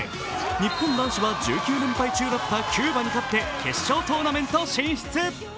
日本男子は１９連敗中だったキューバに勝って決勝トーナメント進出。